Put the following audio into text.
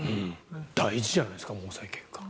大事じゃないですか毛細血管。